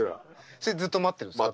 それずっと待ってるんですか？